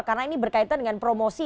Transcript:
karena ini berkaitan dengan promosi